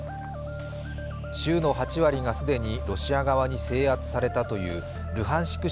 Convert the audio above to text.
州の８割が既にロシア側に制圧されたというルハンシク